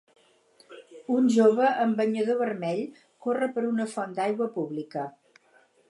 Un jove amb banyador vermell corre per una font d'aigua pública.